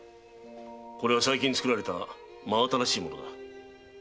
これは最近作られた真新しい物だ。